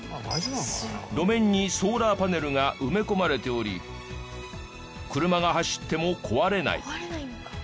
路面にソーラーパネルが埋め込まれており車が走っても壊れない。